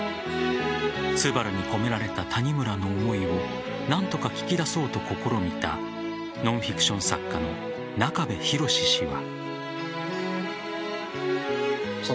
「昴」に込められた谷村の思いを何とか聞き出そうと試みたノンフィクション作家の中部博氏は。